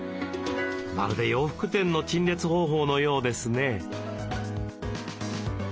まるで洋服店の陳列方法のようですね。